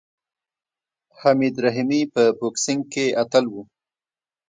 حمید رحیمي په بوکسینګ کې اتل و.